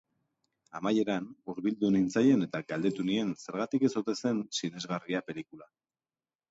Amaieran hurbildu nintzaien eta galdetu nien zergatik ez ote zen sinesgarria pelikula.